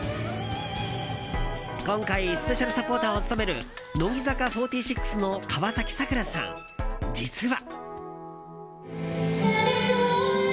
今回スペシャルサポーターを務める乃木坂４６の川崎桜さん、実は。